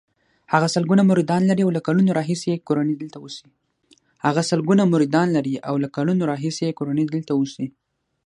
هغه سلګونه مریدان لري او له کلونو راهیسې یې کورنۍ دلته اوسي.